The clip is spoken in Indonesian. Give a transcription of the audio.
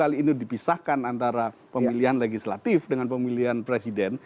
kali ini dipisahkan antara pemilihan legislatif dengan pemilihan presiden